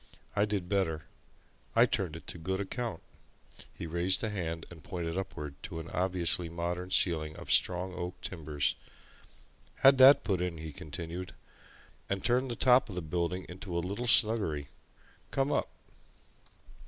I did better I turned it to good account." He raised a hand and pointed upward to an obviously modern ceiling of strong oak timbers. "Had that put in," he continued, "and turned the top of the building into a little snuggery. Come up!"